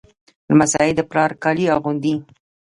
لمسی د پلار کالي اغوندي.